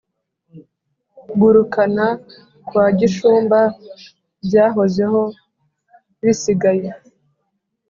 gurukana kwa gishumba byahoze ho bisigaye